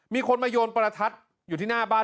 มีคนมาโยนประทัดอยู่ที่หน้าบ้าน